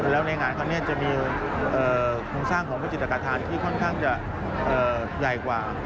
และในงานของพระนิย